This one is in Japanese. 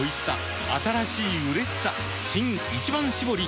新「一番搾り」